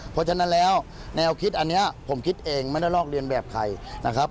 เพราะฉะนั้นแล้วแนวคิดอันนี้ผมคิดเองไม่ได้ลอกเรียนแบบใครนะครับ